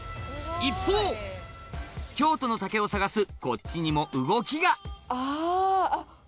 一方京都の竹を探すこっちにも動きがあ。